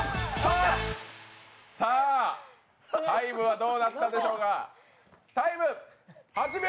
さあ、タイムはどうだったでしょうか。